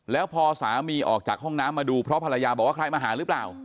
แล้วพอสามีออกจากห้องน้ำมาดูเพราะภรรยาบอกว่าใครมาหาหรือเปล่า